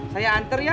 saya antar ya